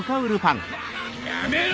やめろ！